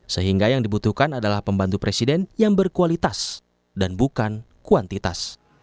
sehingga yang dibutuhkan adalah pembantu presiden yang berkualitas dan bukan kuantitas